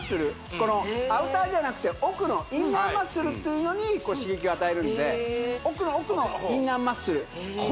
このアウターじゃなくて奥のインナーマッスルっていうのに刺激を与えるんで奥の奥のインナーマッスル奥の方